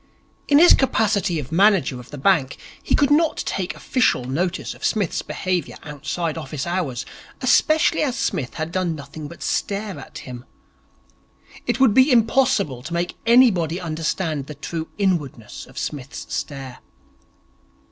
In his capacity of manager of the bank he could not take official notice of Psmith's behaviour outside office hours, especially as Psmith had done nothing but stare at him. It would be impossible to make anybody understand the true inwardness of Psmith's stare.